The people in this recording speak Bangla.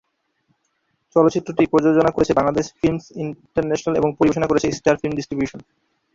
চলচ্চিত্রটি প্রযোজনা করেছে বাংলাদেশ ফিল্মস্ ইন্টারন্যাশনাল এবং পরিবেশনা করেছে স্টার ফিল্ম ডিস্ট্রিবিউশন।